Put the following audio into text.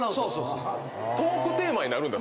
トークテーマになるんだ？